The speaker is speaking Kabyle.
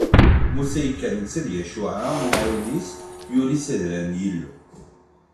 Musa yekker netta d Yacuɛa, amɛiwen-is, yuli s adrar n Yillu.